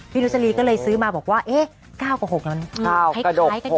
พี่นุจรีก็เลยซื้อมาบอกว่า๙กว่า๖แล้วนี้